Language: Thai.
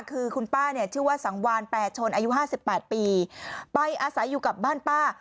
คือคุณป้าเนี่ยชื่อว่าสังวานแปรชนอายุห้าสิบแปดปีไปอาศัยอยู่กับบ้านป้า